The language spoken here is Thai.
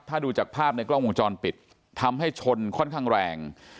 ถ้าดูจากภาพในกล้องวงจรปิดทำให้ชนค่อนข้างแรง